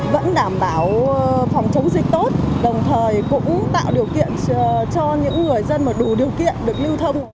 vẫn đảm bảo phòng chống dịch tốt đồng thời cũng tạo điều kiện cho những người dân mà đủ điều kiện được lưu thông